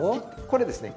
これですね